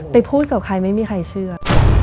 พูดกับใครไม่มีใครเชื่อ